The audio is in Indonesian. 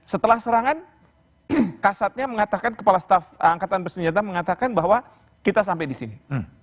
setelah serangan kasatnya mengatakan kepala staf angkatan bersenjata mengatakan bahwa kita sampai di sini